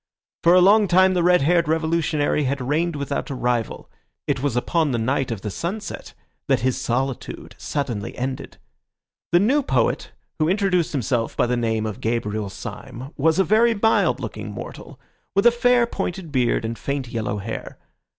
For a long time the red haired revolutionary had reigned without a rival; it was upon the night of the sunset that his solitude suddenly ended. The new poet, who introduced himself by the name of Gabriel Syme was a very mild looking mortal, with a fair, pointed beard and faint, yellow hair.